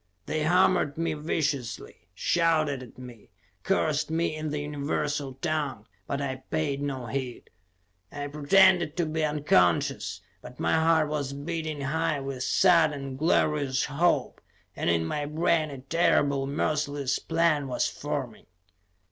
They hammered me viciously, shouted at me, cursed me in the universal tongue, but I paid no heed. I pretended to be unconscious, but my heart was beating high with sudden, glorious hope, and in my brain a terrible, merciless plan was forming.